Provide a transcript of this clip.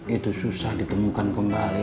itu susah ditemukan kembali